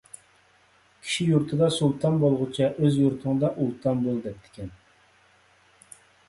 «كىشى يۇرتىدا سۇلتان بولغۇچە، ئۆز يۇرتۇڭدا ئۇلتان بول» دەپتىكەن.